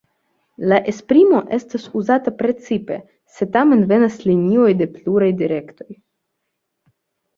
La esprimo estas uzata precipe, se tamen venas linioj de pluraj direktoj.